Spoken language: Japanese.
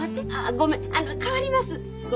ごめん代わります。